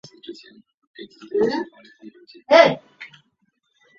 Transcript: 集惠寺始建于清朝乾隆四十八年。